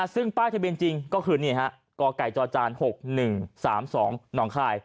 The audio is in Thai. ซึ่งป้ายทะเบียนจริงก็คือกกจ๖๑๓๒นค